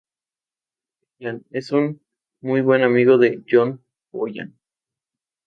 Callan es muy buen amigo de Jon Pollard.